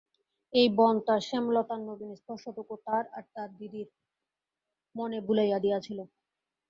এই বন তার শ্যামলতার নবীন স্পর্শটুকু তার আর তার দিদির মনে বুলাইয়া দিয়াছিল।